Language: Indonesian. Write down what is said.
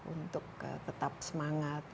untuk tetap semangat